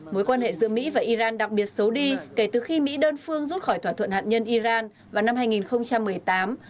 mối quan hệ giữa mỹ và iran đặc biệt xấu đi kể từ khi mỹ đơn phương rút khỏi thỏa thuận hạt nhân iran vào năm hai nghìn một mươi tám